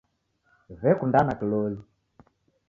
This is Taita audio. W'ekundana kiloli